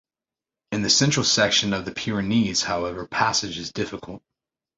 In the central section of the Pyrenees, however, passage is difficult.